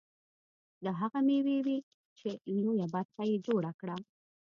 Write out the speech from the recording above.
دا هغه مېوې وې چې لویه برخه یې جوړه کړه.